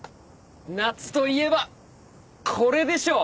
夏といえばこれでしょ！